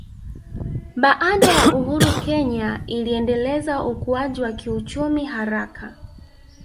Baada ya uhuru Kenya iliendeleza ukuaji wa kiuchumi haraka